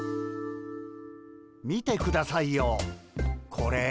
見てくださいよこれ。